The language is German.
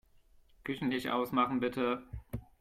Küchenlicht ausmachen, bitte.